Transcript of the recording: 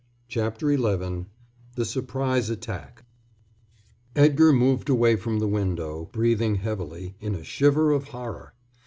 CHAPTER XI THE SURPRISE ATTACK Edgar moved away from the window, breathing heavily, in a shiver of horror.